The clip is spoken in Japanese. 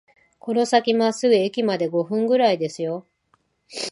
この先まっすぐ、駅まで五分くらいですよ